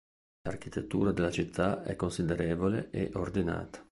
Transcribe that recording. L'architettura della città è considerevole e ordinata.